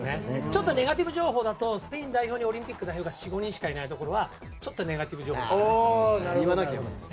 ちょっとネガティブ情報だとスペイン代表にオリンピック代表が４５人しかいない情報はちょっとネガティブ情報ですけどね。